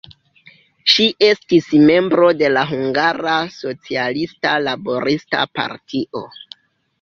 Ŝi estis membro de la Hungara Socialista Laborista Partio.